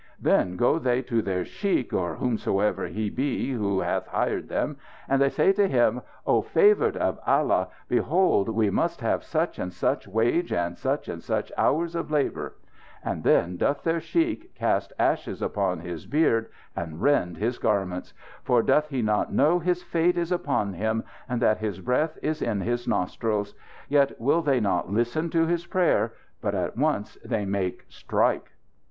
Then go they to their sheikh or whomever he be who hath hired them, and they say to him: 'Oh, favoured of Allah, behold we must have such and such wage and such and such hours of labour!' Then doth their sheikh cast ashes upon his beard and rend his garments. For doth he not know his fate is upon him and that his breath is in his nostrils? Yet will they not listen to his prayers; but at once they make 'strike.'